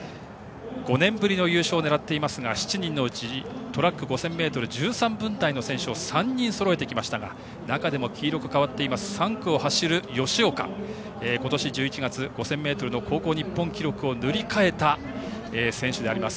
５年ぶりの優勝を狙っていますが７人のうちトラック５０００ｍ１３分台の選手を３人そろえてきましたが中でも、３区を走る吉岡は今年１１月５０００ｍの高校日本記録を塗り替えた選手であります。